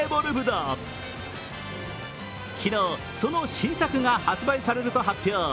昨日、その新作が発売されると発表。